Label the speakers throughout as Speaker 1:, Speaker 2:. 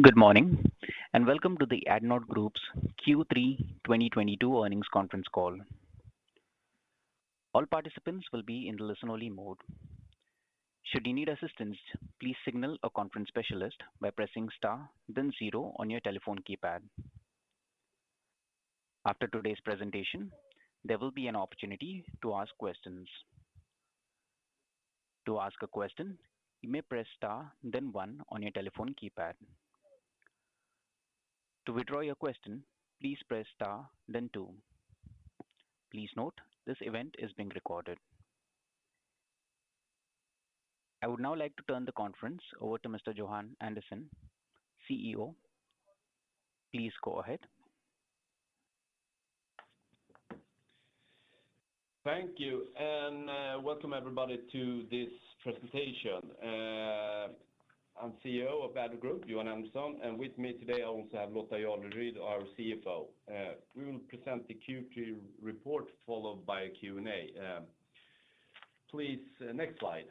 Speaker 1: Good morning, and welcome to the Addnode Group's Q3 2022 earnings conference call. All participants will be in listen-only mode. Should you need assistance, please signal a conference specialist by pressing star then zero on your telephone keypad. After today's presentation, there will be an opportunity to ask questions. To ask a question, you may press star then one on your telephone keypad. To withdraw your question, please press star then two. Please note, this event is being recorded. I would now like to turn the conference over to Mr. Johan Andersson, CEO. Please go ahead.
Speaker 2: Thank you, and welcome everybody to this presentation. I'm CEO of Addnode Group, Johan Andersson, and with me today I also have Lotta Jarleryd, our CFO. We will present the Q3 report followed by a Q&A. Please, next slide.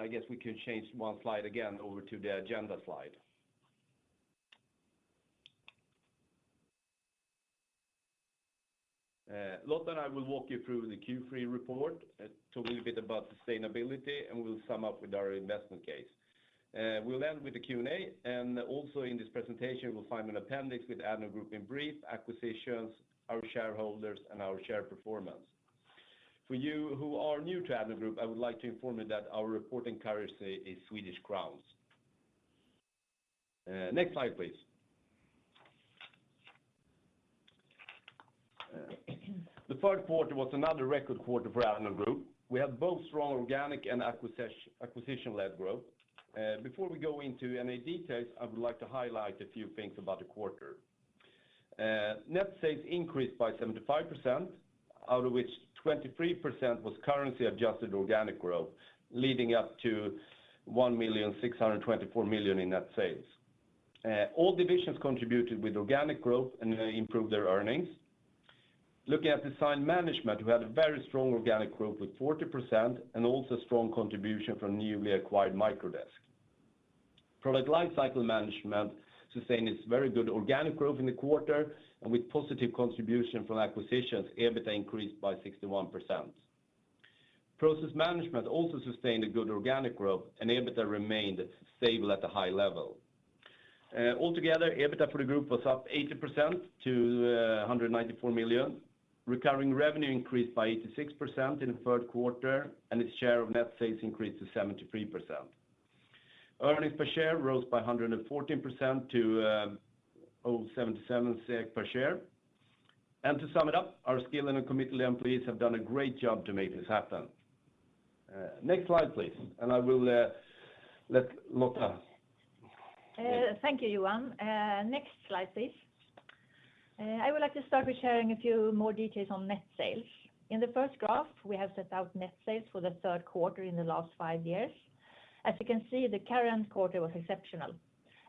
Speaker 2: I guess we could change one slide again over to the agenda slide. Lotta and I will walk you through the Q3 report, talk a little bit about sustainability, and we'll sum up with our investment case. We'll end with the Q&A, and also in this presentation, we'll find an appendix with Addnode Group in brief, acquisitions, our shareholders, and our share performance. For you who are new to Addnode Group, I would like to inform you that our reporting currency is SEK. Next slide, please. The third quarter was another record quarter for Addnode Group. We had both strong organic and acquisition-led growth. Before we go into any details, I would like to highlight a few things about the quarter. Net sales increased by 75%, out of which 23% was currency-adjusted organic growth, leading up to 1,624 million in net sales. All divisions contributed with organic growth and improved their earnings. Looking at Design Management, we had a very strong organic growth with 40% and also strong contribution from newly acquired Microdesk. Product Lifecycle Management sustained its very good organic growth in the quarter, and with positive contribution from acquisitions, EBITDA increased by 61%. Process Management also sustained a good organic growth, and EBITDA remained stable at a high level. Altogether, EBITDA for the group was up 80% to 194 million. Recurring revenue increased by 86% in the third quarter, and its share of net sales increased to 73%. Earnings per share rose by 114% to 0.77 SEK per share. To sum it up, our skilled and committed employees have done a great job to make this happen. Next slide, please. I will let Lotta-
Speaker 3: Thank you, Johan. Next slide, please. I would like to start with sharing a few more details on net sales. In the first graph, we have set out net sales for the third quarter in the last five years. As you can see, the current quarter was exceptional.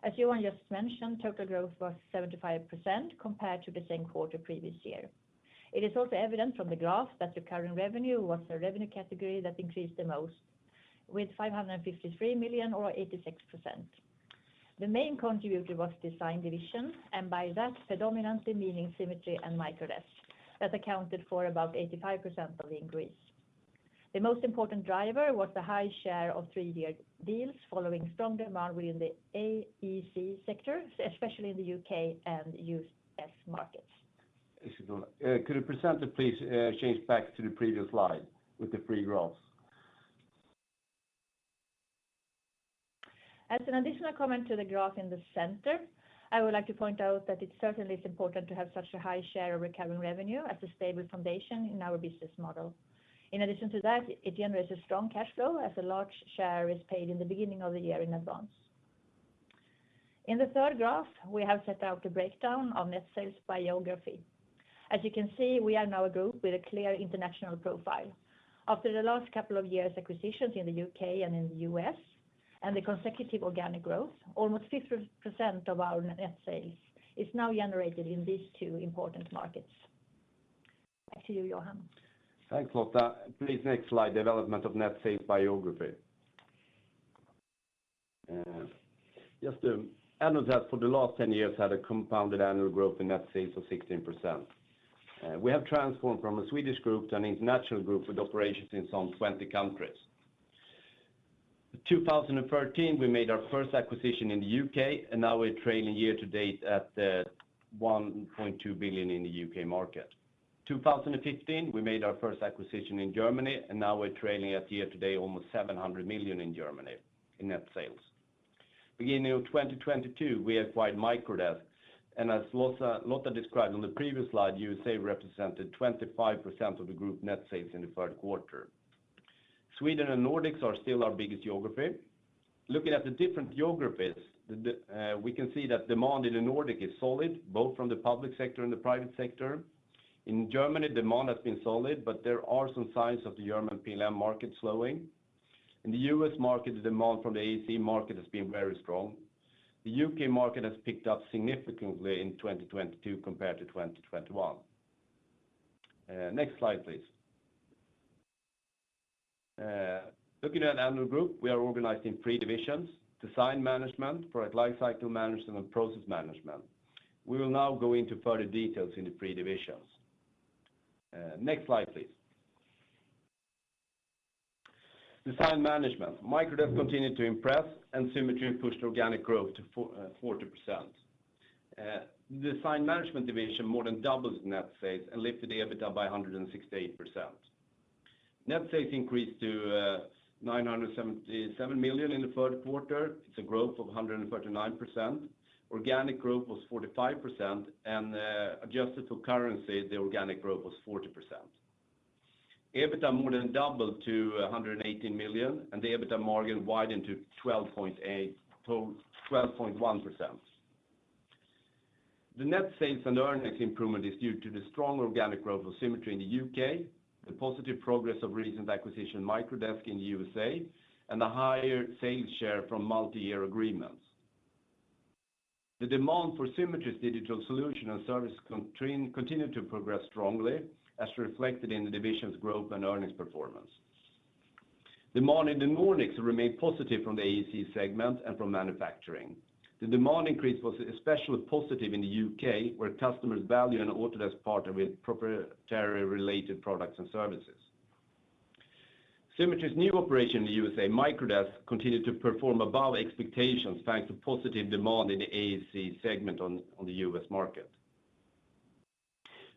Speaker 3: As Johan just mentioned, total growth was 75% compared to the same quarter previous year. It is also evident from the graph that recurring revenue was the revenue category that increased the most, with 553 million or 86%. The main contributor was design division, and by that predominantly meaning Symetri and Microdesk, that accounted for about 85% of the increase. The most important driver was the high share of three-year deals following strong demand within the AEC sector, especially in the UK and US markets.
Speaker 2: Could the presenter please change back to the previous slide with the free growth?
Speaker 3: As an additional comment to the graph in the center, I would like to point out that it certainly is important to have such a high share of recurring revenue as a stable foundation in our business model. In addition to that, it generates a strong cash flow as a large share is paid in the beginning of the year in advance. In the third graph, we have set out a breakdown of net sales by geography. As you can see, we are now a group with a clear international profile. After the last couple of years acquisitions in the U.K. and in the U.S. and the consecutive organic growth, almost 50% of our net sales is now generated in these two important markets. Back to you, Johan.
Speaker 2: Thanks, Lotta. Please, next slide, development of net sales by geography. Just to add on that, for the last 10 years had a compounded annual growth in net sales of 16%. We have transformed from a Swedish group to an international group with operations in some 20 countries. In 2013, we made our first acquisition in the UK, and now we're trailing year to date at 1.2 billion in the UK market. In 2015, we made our first acquisition in Germany, and now we're trailing at year to date almost 700 million in Germany in net sales. Beginning of 2022, we acquired Microdesk, and as Lotta described on the previous slide, USA represented 25% of the group net sales in the third quarter. Sweden and Nordics are still our biggest geography. Looking at the different geographies, we can see that demand in the Nordic is solid, both from the public sector and the private sector. In Germany, demand has been solid, but there are some signs of the German PLM market slowing. In the U.S. market, the demand from the AEC market has been very strong. The U.K. market has picked up significantly in 2022 compared to 2021. Next slide, please. Looking at Addnode Group, we are organizing three divisions, Design Management, Product Lifecycle Management, and Process Management. We will now go into further details in the three divisions. Next slide, please. Design Management. Microdesk continued to impress, and Symetri pushed organic growth to 40%. Design Management division more than doubled net sales and lifted the EBITDA by 168%. Net sales increased to 977 million in the third quarter. It's a growth of 149%. Organic growth was 45%, and adjusted to currency, the organic growth was 40%. EBITDA more than doubled to 118 million, and the EBITDA margin widened to 12.1%. The net sales and earnings improvement is due to the strong organic growth of Symetri in the UK, the positive progress of recent acquisition Microdesk in the USA, and the higher sales share from multi-year agreements. The demand for Symetri's digital solution and service continued to progress strongly, as reflected in the division's growth and earnings performance. Demand in the Nordics remained positive from the AEC segment and from manufacturing. The demand increase was especially positive in the UK, where customers value an Autodesk partner with proprietary related products and services. Symetri's new operation in the USA, Microdesk, continued to perform above expectations, thanks to positive demand in the AEC segment on the US market.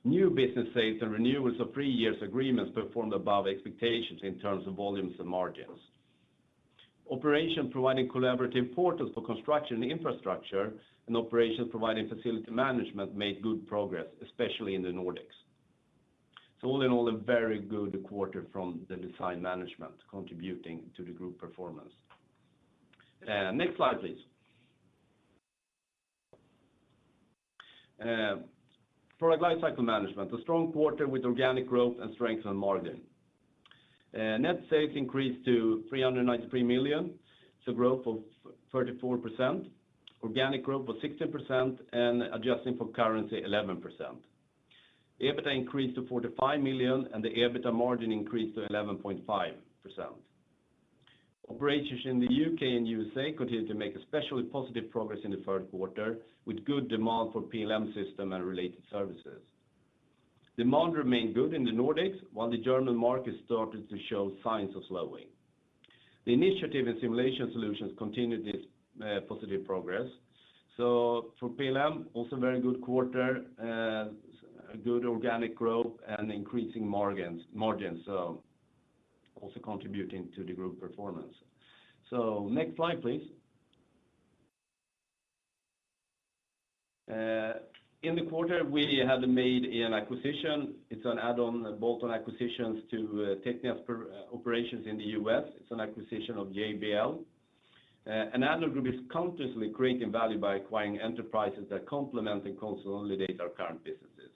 Speaker 2: New business sales and renewals of three-year agreements performed above expectations in terms of volumes and margins. Operations providing collaborative portals for construction and infrastructure and operations providing facility management made good progress, especially in the Nordics. All in all, a very good quarter from Design Management contributing to the group performance. Next slide, please. Product Lifecycle Management. A strong quarter with organic growth and strength on margin. Net sales increased to 393 million, it's a growth of 34%. Organic growth was 16% and adjusting for currency, 11%. EBITDA increased to 45 million, and the EBITDA margin increased to 11.5%. Operations in the UK and USA continued to make especially positive progress in the third quarter, with good demand for PLM system and related services. Demand remained good in the Nordics, while the German market started to show signs of slowing. The initiative in simulation solutions continued its positive progress. For PLM, also very good quarter, a good organic growth and increasing margins, so also contributing to the group performance. Next slide, please. In the quarter, we had made an acquisition. It's an add-on, a bolt-on acquisitions to TECHNIA's operations in the US. It's an acquisition of JBL Technologies. Addnode Group is consciously creating value by acquiring enterprises that complement and consolidate our current businesses.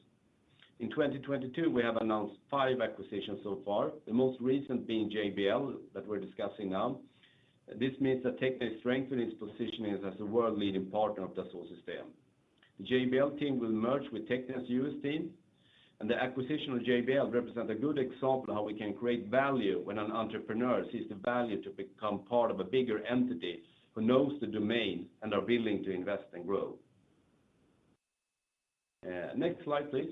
Speaker 2: In 2022, we have announced five acquisitions so far, the most recent being JBL that we're discussing now. This means that TECHNIA is strengthening its positioning as a world-leading partner of Dassault Systèmes. The JBL team will merge with TECHNIA's U.S. team, and the acquisition of JBL represents a good example of how we can create value when an entrepreneur sees the value to become part of a bigger entity who knows the domain and are willing to invest and grow. Next slide, please.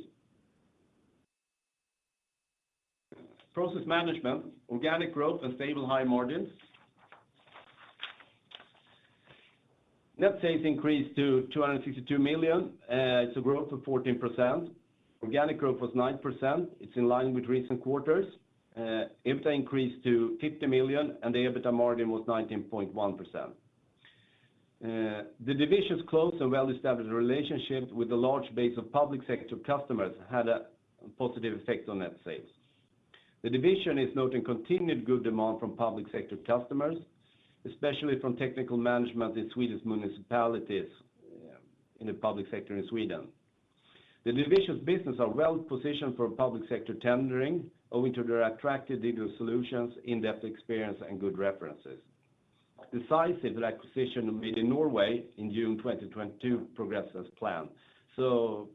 Speaker 2: Process Management, organic growth and stable high margins. Net sales increased to 262 million, it's a growth of 14%. Organic growth was 9%. It's in line with recent quarters. EBITDA increased to 50 million, and the EBITDA margin was 19.1%. The division's close and well-established relationship with a large base of public sector customers had a positive effect on net sales. The division is noting continued good demand from public sector customers, especially from technical management in Swedish municipalities, in the public sector in Sweden. The division's business are well positioned for public sector tendering owing to their attractive digital solutions, in-depth experience, and good references. Decisive acquisition made in Norway in June 2022 progressed as planned.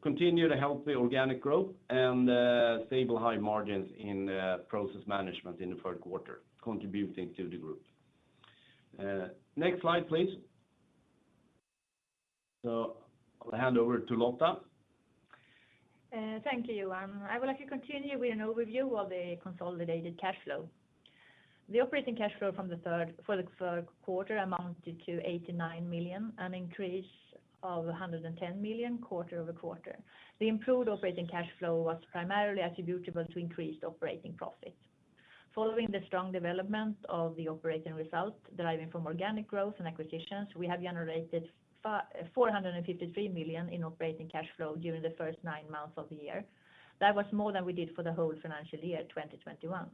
Speaker 2: Continued healthy organic growth and, stable high margins in, Process Management in the third quarter, contributing to the group. Next slide, please. I'll hand over to Lotta.
Speaker 3: Thank you, Johan. I would like to continue with an overview of the consolidated cash flow. The operating cash flow for the third quarter amounted to 89 million, an increase of 110 million quarter-over-quarter. The improved operating cash flow was primarily attributable to increased operating profit. Following the strong development of the operating result deriving from organic growth and acquisitions, we have generated 453 million in operating cash flow during the first nine months of the year. That was more than we did for the whole financial year 2021.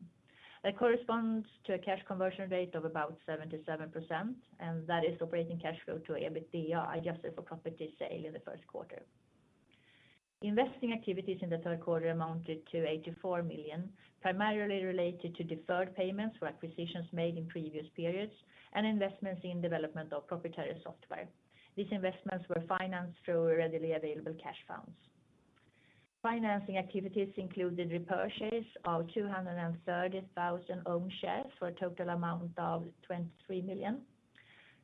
Speaker 3: That corresponds to a cash conversion rate of about 77%, and that is operating cash flow to EBITDA, adjusted for property sale in the first quarter. Investing activities in the third quarter amounted to 84 million, primarily related to deferred payments for acquisitions made in previous periods and investments in development of proprietary software. These investments were financed through readily available cash funds. Financing activities included repurchase of 230,000 own shares for a total amount of 23 million.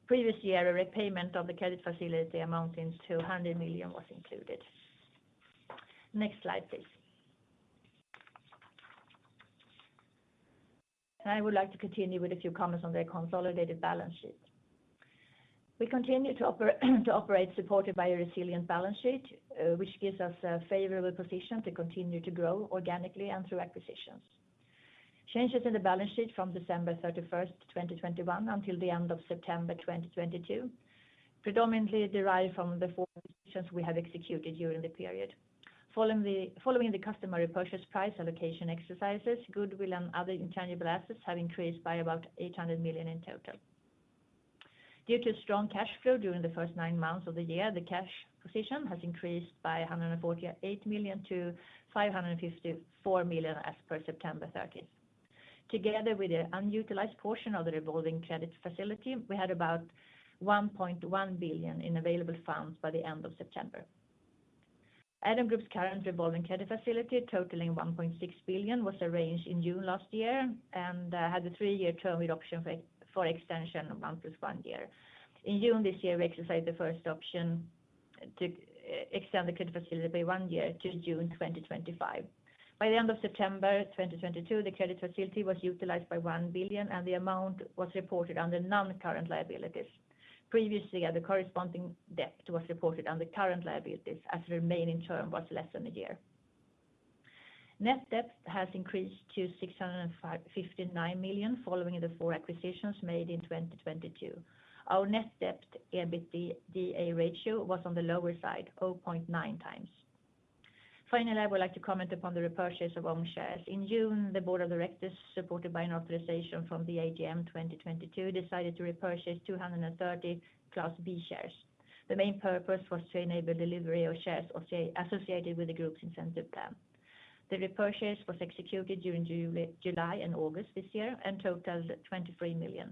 Speaker 3: Previous year, a repayment of the credit facility amounting to 100 million was included. Next slide, please. I would like to continue with a few comments on the consolidated balance sheet. We continue to operate supported by a resilient balance sheet, which gives us a favorable position to continue to grow organically and through acquisitions. Changes in the balance sheet from December 31, 2021 until the end of September 2022 predominantly derived from the four acquisitions we have executed during the period. Following the acquisitions purchase price allocation exercises, goodwill and other intangible assets have increased by about 800 million in total. Due to strong cash flow during the first nine months of the year, the cash position has increased by 148 million to 554 million as per September 30. Together with the unutilized portion of the revolving credit facility, we had about 1.1 billion in available funds by the end of September. Addnode Group's current revolving credit facility, totaling 1.6 billion, was arranged in June last year and had a three-year term with option for extension of 1+1 year. In June this year, we exercised the first option to extend the credit facility by 1 year to June 2025. By the end of September 2022, the credit facility was utilized by 1 billion and the amount was reported under non-current liabilities. Previously, the corresponding debt was reported under current liabilities as remaining term was less than a year. Net debt has increased to 659 million following the four acquisitions made in 2022. Our net debt, EBITDA ratio, was on the lower side, 0.9x. Finally, I would like to comment upon the repurchase of own shares. In June, the board of directors, supported by an authorization from the AGM 2022, decided to repurchase 230 Class B shares. The main purpose was to enable delivery of shares associated with the group's incentive plan. The repurchase was executed during July and August this year and totaled 23 million.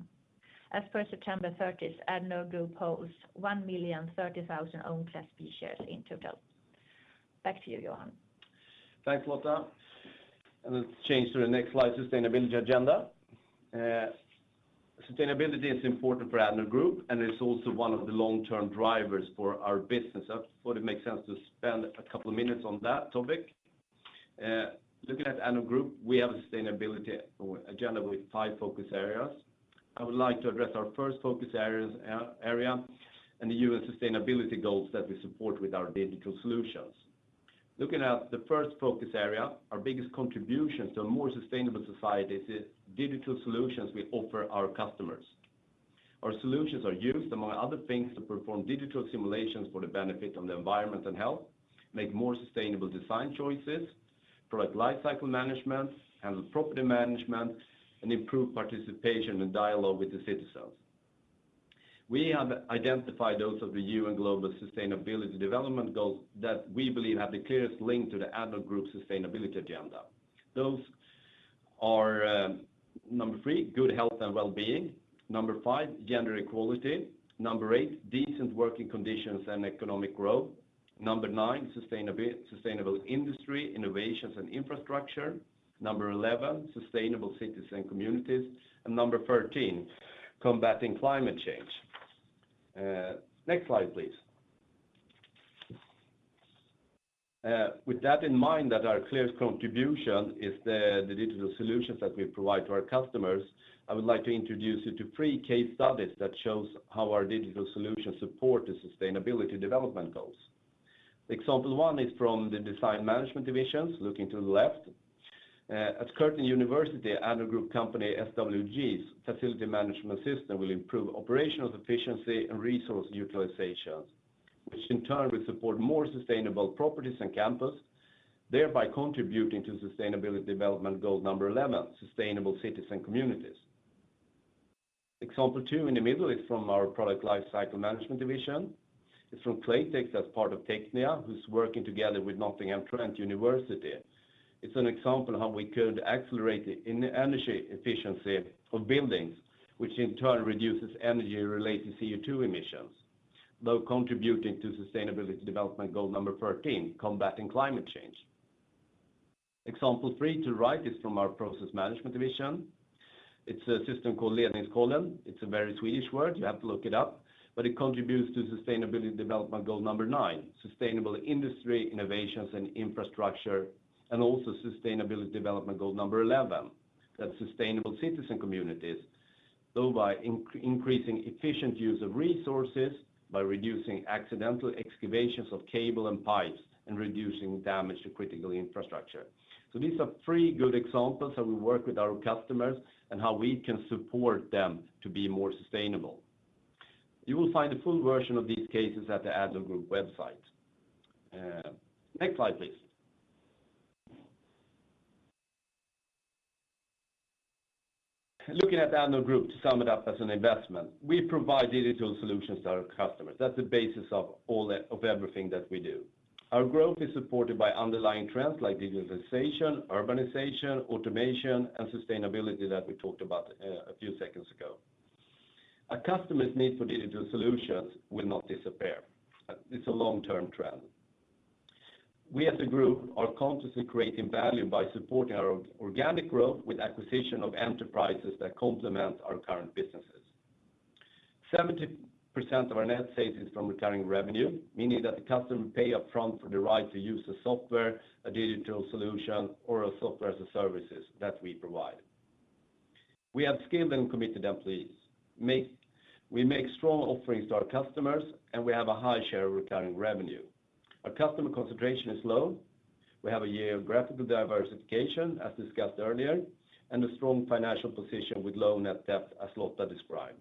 Speaker 3: As per September 30th, Addnode Group holds 1,030,000 own Class B shares in total. Back to you, Johan.
Speaker 2: Thanks, Lotta. Let's change to the next slide, sustainability agenda. Sustainability is important for Addnode Group, and it's also one of the long-term drivers for our business. I thought it makes sense to spend a couple of minutes on that topic. Looking at Addnode Group, we have a sustainability agenda with five focus areas. I would like to address our first focus area and the UN Sustainable Development Goals that we support with our digital solutions. Looking at the first focus area, our biggest contribution to a more sustainable society is the digital solutions we offer our customers. Our solutions are used, among other things, to perform digital simulations for the benefit of the environment and health, make more sustainable design choices, provide life cycle management, handle property management, and improve participation and dialogue with the citizens. We have identified those of the UN Sustainable Development Goals that we believe have the clearest link to the Addnode Group sustainability agenda. Those are number three, good health and well-being, number five, gender equality, number eight, decent working conditions and economic growth, number nine, sustainable industry, innovations and infrastructure, number 11, sustainable cities and communities, and number 13, combating climate change. Next slide, please. With that in mind that our clearest contribution is the digital solutions that we provide to our customers, I would like to introduce you to 3 case studies that shows how our digital solutions support the Sustainable Development Goals. Example one is from the Design Management divisions, looking to the left. At Curtin University, Addnode Group company SWG's facility management system will improve operational efficiency and resource utilization, which in turn will support more sustainable properties and campus, thereby contributing to Sustainable Development Goal number 11, sustainable cities and communities. Example two in the middle is from our Product Lifecycle Management division. It's from Claytex as part of TECHNIA, who's working together with Nottingham Trent University. It's an example how we could accelerate the energy efficiency of buildings, which in turn reduces energy-related CO2 emissions, thus contributing to Sustainable Development Goal number 13, combating climate change. Example three to the right is from our Process Management division. It's a system called Ledningskollen. It's a very Swedish word. You have to look it up. It contributes to Sustainable Development Goal number nine, sustainable industry, innovation, and infrastructure, and also Sustainable Development Goal number 11, that's sustainable cities and communities, through increasing efficient use of resources, by reducing accidental excavations of cable and pipes, and reducing damage to critical infrastructure. These are three good examples how we work with our customers and how we can support them to be more sustainable. You will find the full version of these cases at the Addnode Group website. Next slide, please. Looking at the Addnode Group to sum it up as an investment, we provide digital solutions to our customers. That's the basis of all of everything that we do. Our growth is supported by underlying trends like digitalization, urbanization, automation, and sustainability that we talked about a few seconds ago. A customer's need for digital solutions will not disappear. It's a long-term trend. We as a group are consciously creating value by supporting our organic growth with acquisition of enterprises that complement our current businesses. 70% of our net sales is from recurring revenue, meaning that the customer will pay upfront for the right to use a software, a digital solution, or a software as a service that we provide. We have skilled and committed employees. We make strong offerings to our customers, and we have a high share of recurring revenue. Our customer concentration is low. We have a geographical diversification, as discussed earlier, and a strong financial position with low net debt, as Lotta described.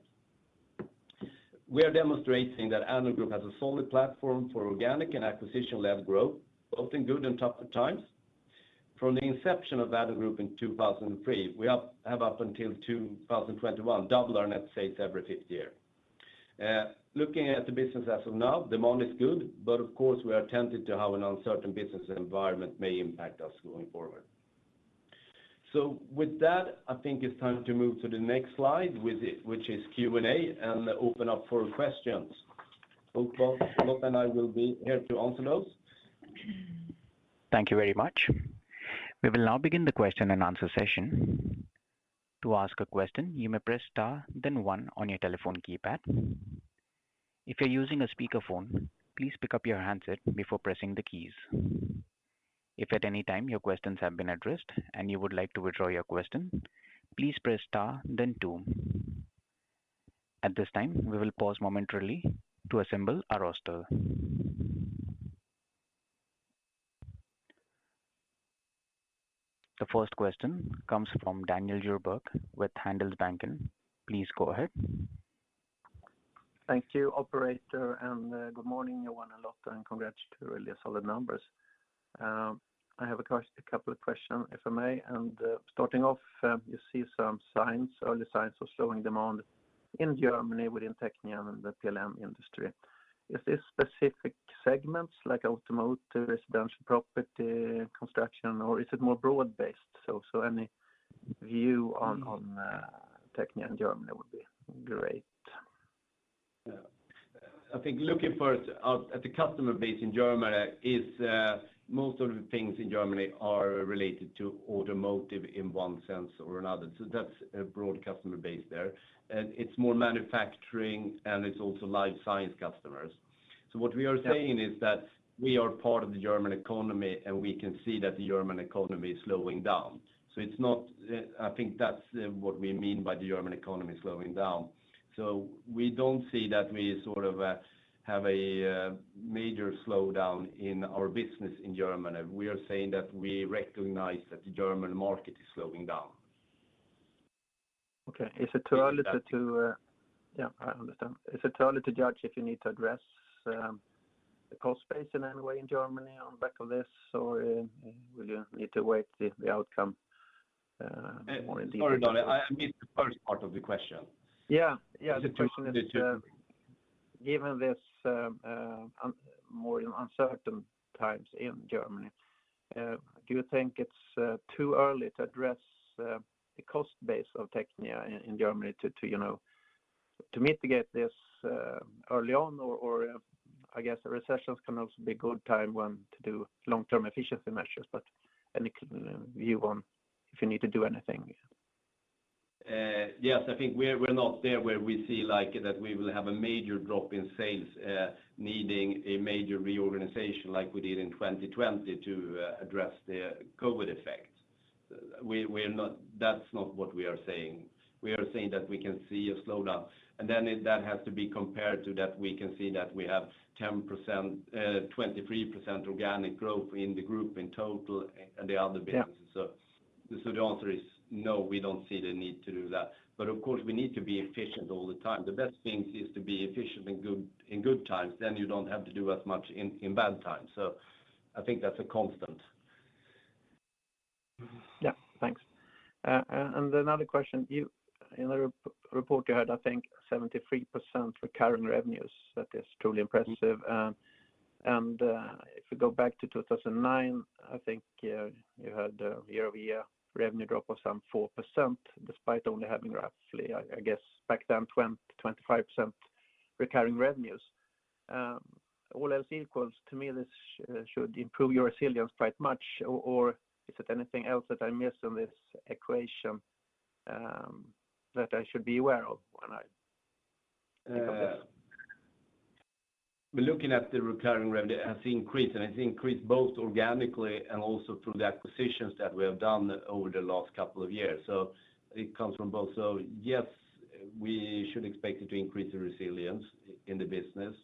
Speaker 2: We are demonstrating that Addnode Group has a solid platform for organic and acquisition-led growth, both in good and tougher times. From the inception of Addnode Group in 2003, we have up until 2021 doubled our net sales every fifth year. Looking at the business as of now, demand is good, but of course, we are attentive to how an uncertain business environment may impact us going forward. With that, I think it's time to move to the next slide with it, which is Q&A, and open up for questions. Both Lotta and I will be here to answer those.
Speaker 1: Thank you very much. We will now begin the question and answer session. To ask a question, you may press star then one on your telephone keypad. If you're using a speakerphone, please pick up your handset before pressing the keys. If at any time your questions have been addressed and you would like to withdraw your question, please press star then two. At this time, we will pause momentarily to assemble our roster. The first question comes from Daniel Djurberg with Handelsbanken. Please go ahead.
Speaker 4: Thank you, operator, and good morning, Johan and Lotta, and congrats to really solid numbers. I have a couple of questions, if I may. Starting off, you see some signs, early signs of slowing demand in Germany within TECHNIA and the PLM industry. Is this specific segments like automotive, residential property, construction, or is it more broad-based? So any view on TECHNIA in Germany would be great.
Speaker 2: Yeah. I think looking first at the customer base in Germany is most of the things in Germany are related to automotive in one sense or another. That's a broad customer base there. It's more manufacturing, and it's also life science customers. What we are saying is that we are part of the German economy, and we can see that the German economy is slowing down. It's not. I think that's what we mean by the German economy slowing down. We don't see that we sort of have a major slowdown in our business in Germany. We are saying that we recognize that the German market is slowing down.
Speaker 4: Yeah, I understand. Is it too early to judge if you need to address the cost base in any way in Germany on the back of this, or will you need to wait for the outcome more in detail?
Speaker 2: Sorry, Daniel, I missed the first part of the question.
Speaker 4: Yeah. Yeah.
Speaker 2: The two-
Speaker 4: The question is, given this more uncertain times in Germany, do you think it's too early to address the cost base of TECHNIA in Germany to, you know, to mitigate this early on or, I guess a recession can also be a good time when to do long-term efficiency measures, but any view on if you need to do anything?
Speaker 2: Yes. I think we're not there where we see like that we will have a major drop in sales, needing a major reorganization like we did in 2020 to address the COVID effect. We're not. That's not what we are saying. We are saying that we can see a slowdown. Then that has to be compared to that we can see that we have 10%, 23% organic growth in the group in total and the other businesses.
Speaker 4: Yeah.
Speaker 2: The answer is no, we don't see the need to do that. Of course, we need to be efficient all the time. The best thing is to be efficient in good times, then you don't have to do as much in bad times. I think that's a constant.
Speaker 4: Yeah. Thanks. Another question. In the report, you had, I think, 73% recurring revenues. That is truly impressive. If we go back to 2009, I think, you had a year-over-year revenue drop of some 4%, despite only having roughly, I guess back then, 25% recurring revenues. All else equals to me, this should improve your resilience quite much. Or is it anything else that I missed on this equation, that I should be aware of when I think of this?
Speaker 2: We're looking at the recurring revenue as an increase, and it's increased both organically and also through the acquisitions that we have done over the last couple of years. It comes from both. Yes, we should expect it to increase the resilience in the business,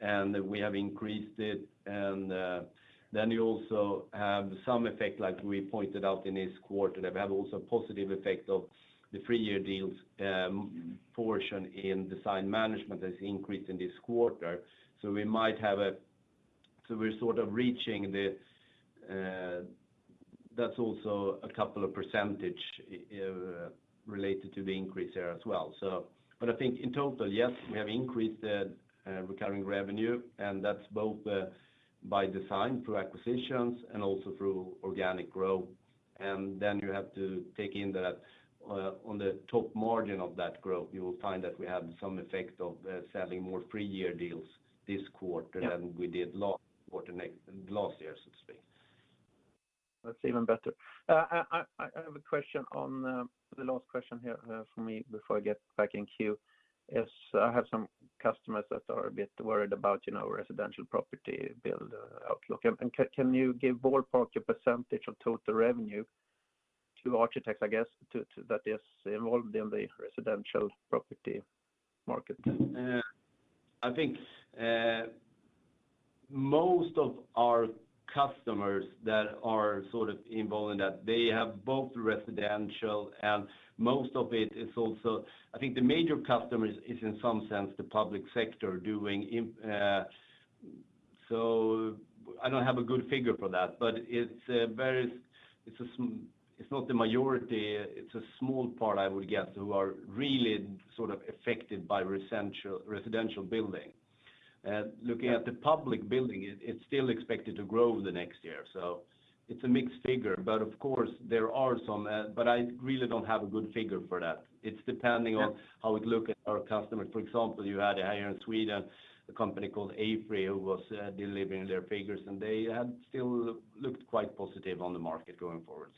Speaker 2: and we have increased it. Then you also have some effect, like we pointed out in this quarter, that we have also a positive effect of the three-year deals portion in Design Management that's increased in this quarter. We're sort of reaching the. That's also a couple of percentage related to the increase there as well. But I think in total, yes, we have increased the recurring revenue, and that's both by design through acquisitions and also through organic growth. You have to take in that, on the top margin of that growth, you will find that we had some effect of, selling more three-year deals this quarter.
Speaker 4: Yeah
Speaker 2: than we did last quarter, last year, so to speak.
Speaker 4: That's even better. I have a question on the last question here for me before I get back in queue. I have some customers that are a bit worried about, you know, residential property build outlook. Can you give ballpark a percentage of total revenue to architects, I guess, to that is involved in the residential property market?
Speaker 2: I think most of our customers that are sort of involved in that, they have both residential and most of it is also. I think the major customer is in some sense the public sector, so I don't have a good figure for that, but it's not the majority. It's a small part, I would guess, who are really sort of affected by residential building.
Speaker 4: Yeah
Speaker 2: Looking at the public building, it's still expected to grow the next year. It's a mixed figure. Of course, there are some, but I really don't have a good figure for that. It's depending on.
Speaker 4: Yeah
Speaker 2: how we look at our customers. For example, you had here in Sweden a company called AFRY who was delivering their figures, and they had still looked quite positive on the market going forward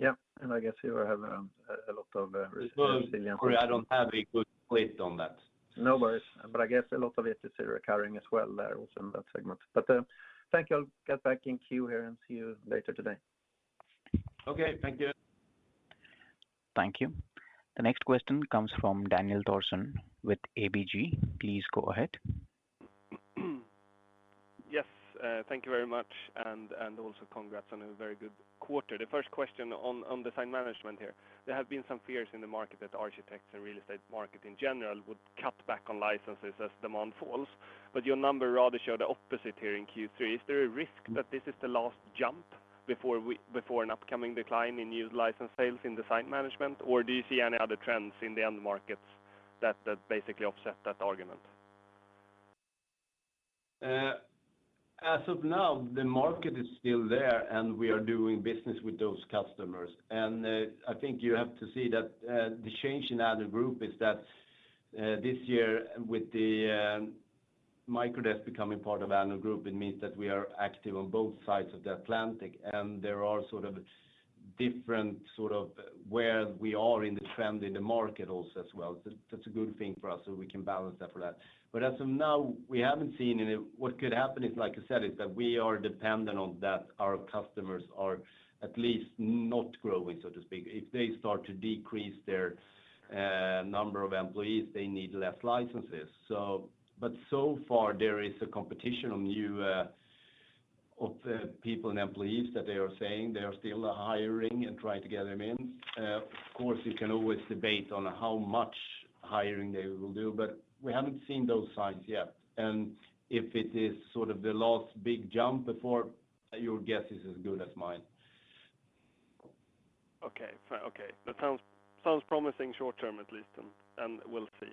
Speaker 2: so.
Speaker 4: Yeah. I guess you have a lot of residential in-
Speaker 2: Well, sorry, I don't have a good split on that.
Speaker 4: No worries. I guess a lot of it is recurring as well there also in that segment. Thank you. I'll get back in queue here and see you later today.
Speaker 2: Okay. Thank you.
Speaker 1: Thank you. The next question comes from Daniel Thorsson with ABG. Please go ahead.
Speaker 5: Yes, thank you very much and also congrats on a very good quarter. The first question on Design Management here. There have been some fears in the market that architects and real estate market in general would cut back on licenses as demand falls. Your number rather show the opposite here in Q3. Is there a risk that this is the last jump before an upcoming decline in new license sales in Design Management? Do you see any other trends in the end markets that basically offset that argument?
Speaker 2: As of now, the market is still there, and we are doing business with those customers. I think you have to see that, the change in Addnode Group is that, this year with the Microdesk becoming part of Addnode Group, it means that we are active on both sides of the Atlantic. There are sort of different where we are in the trend in the market also as well. That's a good thing for us, so we can balance that for that. As of now, we haven't seen any. What could happen is, like I said, that we are dependent on that our customers are at least not growing, so to speak. If they start to decrease their number of employees, they need less licenses. So far, there is a competition for new people and employees that they are saying they are still hiring and trying to get them in. Of course, you can always debate on how much hiring they will do, but we haven't seen those signs yet. If it is sort of the last big jump before, your guess is as good as mine.
Speaker 5: Okay. That sounds promising short term at least, and we'll see.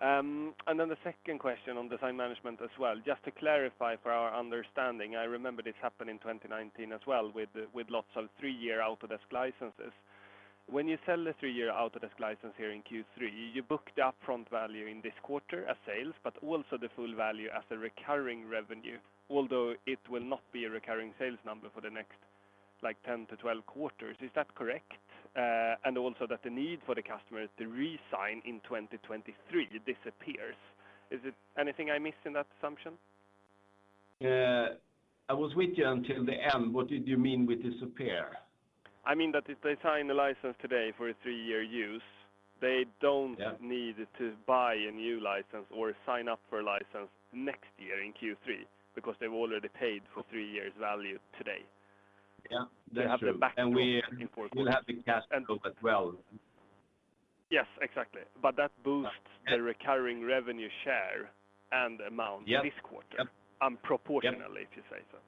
Speaker 5: The second question on Design Management as well. Just to clarify for our understanding, I remember this happened in 2019 as well with lots of three-year Autodesk licenses. When you sell a three-year Autodesk license here in Q3, you book the upfront value in this quarter as sales, but also the full value as a recurring revenue, although it will not be a recurring sales number for the next, like, 10-12 quarters. Is that correct? Also that the need for the customers to re-sign in 2023 disappears. Is it anything I missed in that assumption?
Speaker 2: I was with you until the end. What did you mean with disappear?
Speaker 5: I mean that if they sign the license today for a three-year use, they don't.
Speaker 2: Yeah
Speaker 5: Need to buy a new license or sign up for a license next year in Q3 because they've already paid for three years value today.
Speaker 2: Yeah, that's true.
Speaker 5: They have the backlog in 4 quarters.
Speaker 2: We will have the cash flow as well.
Speaker 5: Yes, exactly. That boosts-
Speaker 2: Yeah
Speaker 5: the recurring revenue share and amount.
Speaker 2: Yeah
Speaker 5: this quarter.
Speaker 2: Yep
Speaker 5: Disproportionately, if you say so.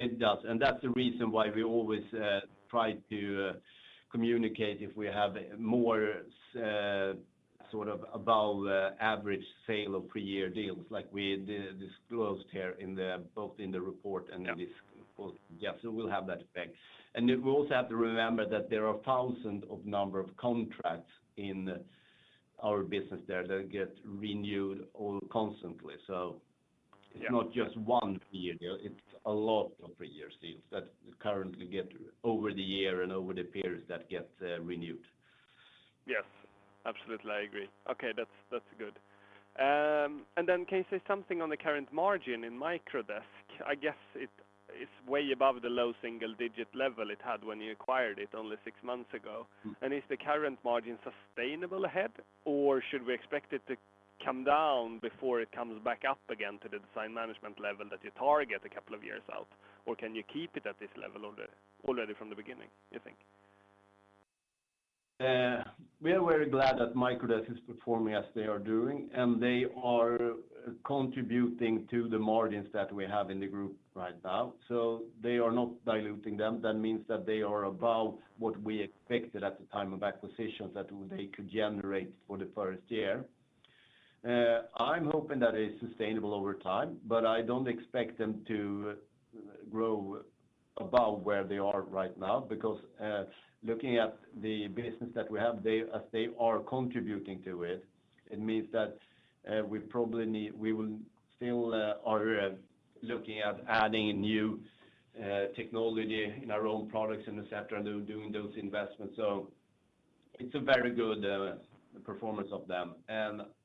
Speaker 2: It does. That's the reason why we always try to communicate if we have more sort of above average sale of per year deals, like we disclosed here in both the report and in this call.
Speaker 5: Yeah.
Speaker 2: Yeah. We'll have that effect. We also have to remember that there are thousands in number of contracts in our business there that get renewed all constantly.
Speaker 5: Yeah
Speaker 2: It's not just one per year deal, it's a lot of per year deals that currently get over the year and over the periods that get renewed.
Speaker 5: Yes. Absolutely. I agree. Okay. That's good. Can you say something on the current margin in Microdesk? I guess it is way above the low single digit level it had when you acquired it only six months ago.
Speaker 2: Mm-hmm.
Speaker 5: Is the current margin sustainable ahead? Or should we expect it to come down before it comes back up again to the Design Management level that you target a couple of years out? Or can you keep it at this level already from the beginning, you think?
Speaker 2: We are very glad that Microdesk is performing as they are doing, and they are contributing to the margins that we have in the group right now. They are not diluting them. That means that they are above what we expected at the time of acquisitions that they could generate for the first year. I'm hoping that is sustainable over time, but I don't expect them to grow above where they are right now because, looking at the business that we have, they, as they are contributing to it means that we will still are looking at adding new technology in our own products, et cetera, and doing those investments. It's a very good performance of them.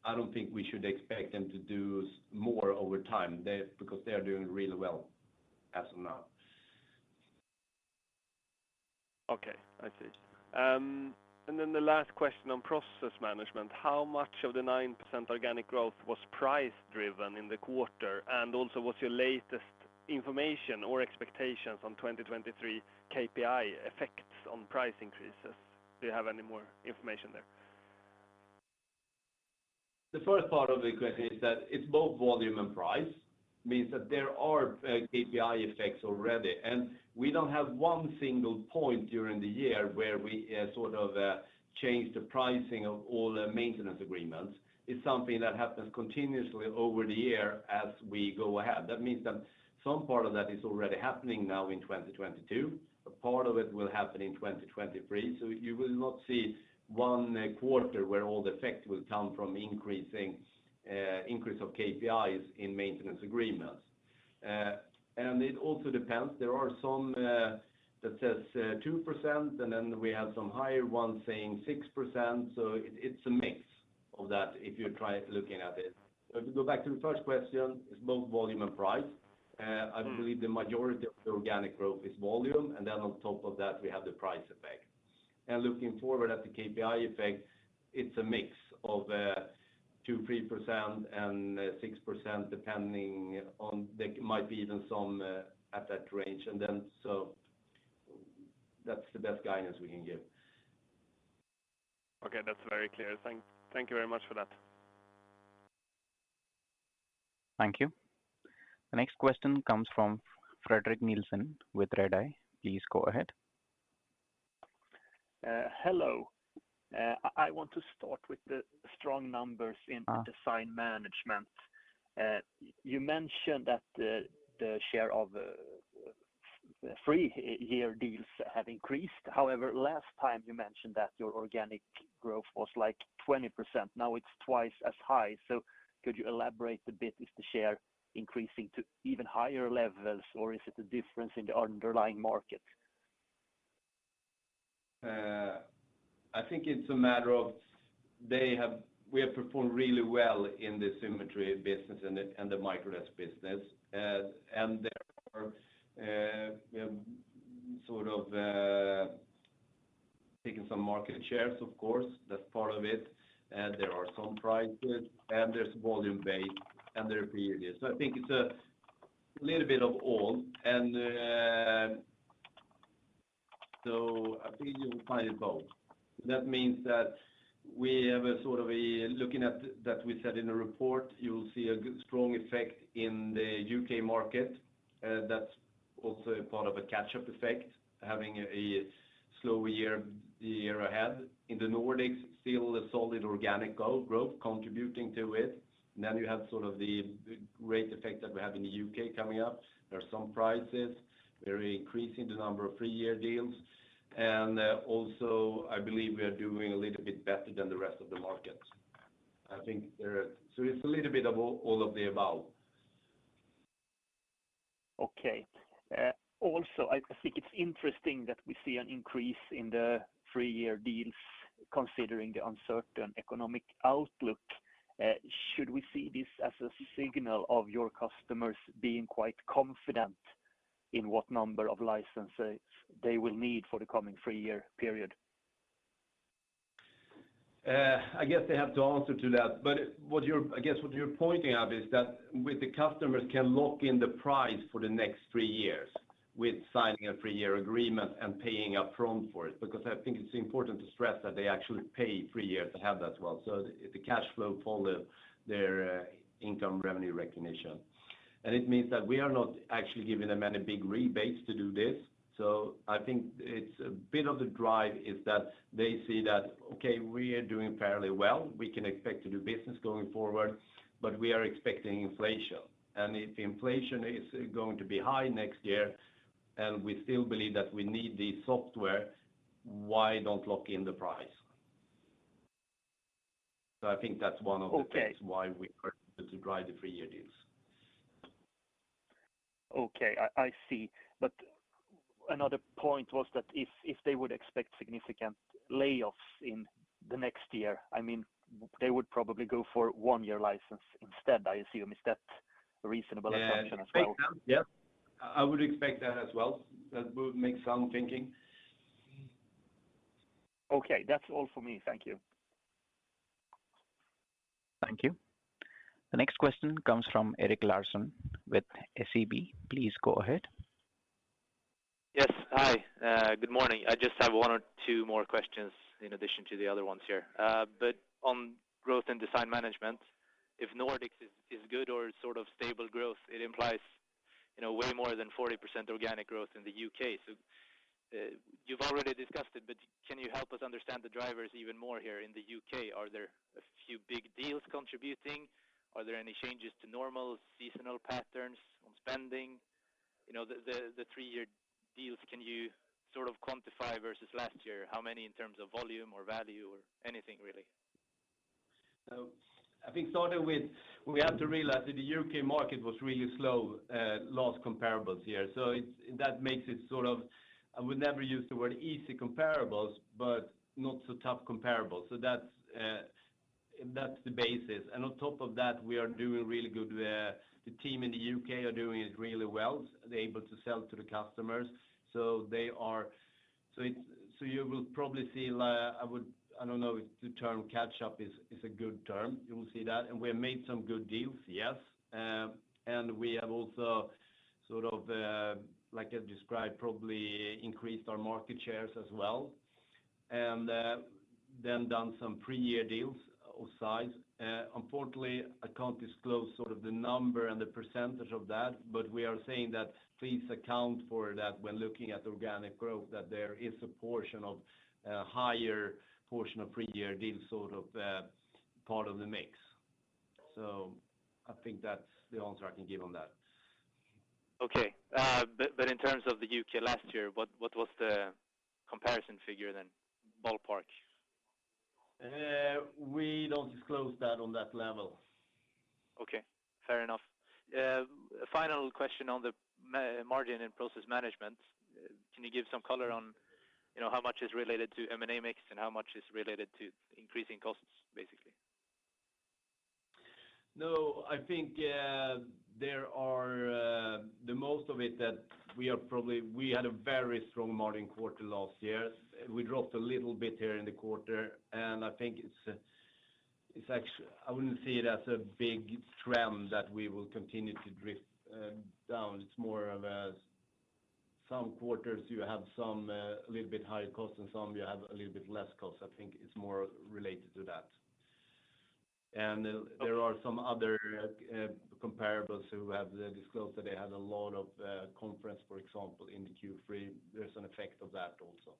Speaker 2: I don't think we should expect them to do more over time. They, because they are doing really well as of now.
Speaker 5: Okay. I see. The last question on Process Management, how much of the 9% organic growth was price-driven in the quarter? What's your latest information or expectations on 2023 KPI effects on price increases? Do you have any more information there?
Speaker 2: The first part of the question is that it's both volume and price. Means that there are KPI effects already, and we don't have one single point during the year where we sort of change the pricing of all the maintenance agreements. It's something that happens continuously over the year as we go ahead. That means that some part of that is already happening now in 2022. A part of it will happen in 2023. You will not see one quarter where all the effect will come from increase of KPIs in maintenance agreements. It also depends. There are some that says 2%, and then we have some higher ones saying 6%. It's a mix of that if you try looking at it. To go back to the first question, it's both volume and price. I believe the majority of the organic growth is volume, and then on top of that, we have the price effect. Looking forward at the KPI effect, it's a mix of 2-3% and 6%, depending on. There might be even some at that range. That's the best guidance we can give.
Speaker 5: Okay. That's very clear. Thank you very much for that.
Speaker 1: Thank you. The next question comes from Fredrik Nilsson with Redeye. Please go ahead.
Speaker 6: Hello. I want to start with the strong numbers in Design Management. You mentioned that the share of three-year deals has increased. However, last time you mentioned that your organic growth was, like, 20%. Now it's twice as high. Could you elaborate a bit? Is the share increasing to even higher levels, or is it a difference in the underlying market?
Speaker 2: I think it's a matter of we have performed really well in the Symetri business and the Microdesk business. Therefore, we have sort of taken some market shares, of course. That's part of it. There are some pricing to it, and there's volume-based, and there are periods. I think it's a little bit of all. I think you'll find both. That means that we have a sort of outlook that we said in the report, you'll see a good, strong effect in the UK market. That's also part of a catch-up effect, having a slow year, the year ahead. In the Nordics, still a solid organic growth contributing to it. You have sort of the rate effect that we have in the UK coming up. There are some pricing. We're increasing the number of three-year deals. I believe we are doing a little bit better than the rest of the market. I think it's a little bit of all of the above.
Speaker 6: Okay. Also, I think it's interesting that we see an increase in the three-year deals considering the uncertain economic outlook. Should we see this as a signal of your customers being quite confident in what number of licenses they will need for the coming three-year period?
Speaker 2: I guess they have to answer to that. I guess what you're pointing at is that with the customers can lock in the price for the next three years with signing a three-year agreement and paying upfront for it, because I think it's important to stress that they actually pay three years to have that as well. The cash flow follow their income revenue recognition. It means that we are not actually giving them any big rebates to do this. I think it's a bit of the drive is that they see that, okay, we are doing fairly well. We can expect to do business going forward, but we are expecting inflation. If inflation is going to be high next year, and we still believe that we need the software, why don't lock in the price? I think that's one of the things why we are to drive the three-year deals.
Speaker 6: Okay. I see. Another point was that if they would expect significant layoffs in the next year, I mean, they would probably go for one-year license instead, I assume. Is that a reasonable assumption as well?
Speaker 2: Yeah. I would expect that as well. That would make sound thinking.
Speaker 6: Okay. That's all for me. Thank you.
Speaker 1: Thank you. The next question comes from Erik Larsson with SEB. Please go ahead.
Speaker 7: Yes. Hi. Good morning. I just have one or two more questions in addition to the other ones here. On growth and Design Management, if Nordics is good or sort of stable growth, it implies, you know, way more than 40% organic growth in the UK. You've already discussed it, but can you help us understand the drivers even more here in the UK? Are there a few big deals contributing? Are there any changes to normal seasonal patterns on spending? You know, the three-year deals, can you sort of quantify versus last year? How many in terms of volume or value or anything really?
Speaker 2: I think starting with, we have to realize that the UK market was really slow last comparables year. It's that makes it sort of, I would never use the word easy comparables, but not so tough comparables. That's the basis. On top of that, we are doing really good. The team in the UK are doing it really well. They're able to sell to the customers. They are. It's, you will probably see, like, I would, I don't know if the term catch up is a good term. You will see that. We have made some good deals, yes. We have also sort of, like I described, probably increased our market shares as well, and then done some pre-year deals or size. Unfortunately, I can't disclose sort of the number and the percentage of that, but we are saying that please account for that when looking at organic growth, that there is a portion of, higher portion of pre-year deals, sort of, part of the mix. I think that's the answer I can give on that.
Speaker 7: In terms of the UK last year, what was the comparison figure then? Ballpark.
Speaker 2: We don't disclose that on that level.
Speaker 7: Okay. Fair enough. Final question on the margin and Process Management. Can you give some color on, you know, how much is related to M&A mix and how much is related to increasing costs, basically?
Speaker 2: No, I think we had a very strong margin quarter last year. We dropped a little bit here in the quarter, and I think it's. I wouldn't see it as a big trend that we will continue to drift down. It's more of a some quarters you have some little bit higher costs and some you have a little bit less cost. I think it's more related to that. There are some other comparables who have disclosed that they had a lot of conferences, for example, in Q3. There's an effect of that also.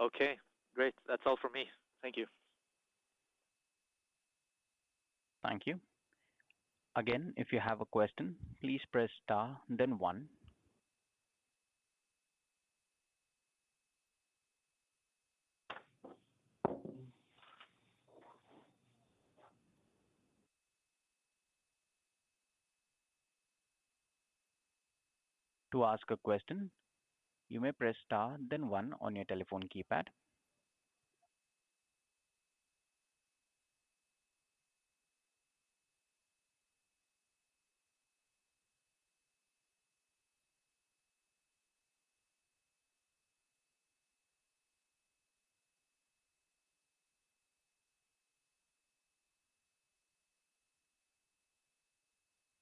Speaker 7: Okay, great. That's all from me. Thank you.
Speaker 1: Thank you. Again, if you have a question, please press star then one. To ask a question, you may press star then one on your telephone keypad.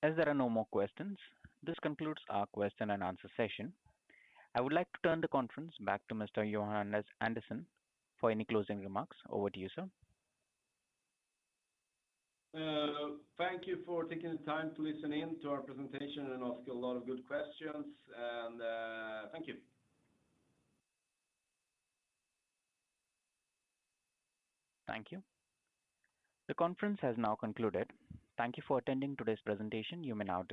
Speaker 1: As there are no more questions, this concludes our question and answer session. I would like to turn the conference back to Mr. Johan Andersson for any closing remarks. Over to you, sir.
Speaker 2: Thank you for taking the time to listen in to our presentation and ask a lot of good questions and thank you.
Speaker 1: Thank you. The conference has now concluded. Thank you for attending today's presentation. You may now disconnect.